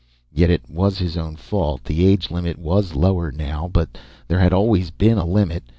Yet it was his own fault; the age limit was lower now, but there had always been a limit.